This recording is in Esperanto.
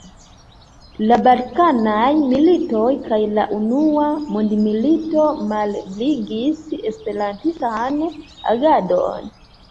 La balkanaj militoj kaj la Unua Mondmilito malebligis esperantistan agadon.